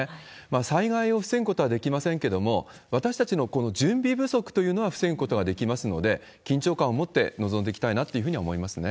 災害を防ぐことはできませんけれども、私たちの準備不足というのは防ぐことができますので、緊張感を持って臨んでいきたいなというふうに思いますね。